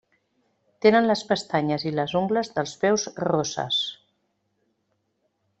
Tenen les pestanyes i les ungles dels peus rosses.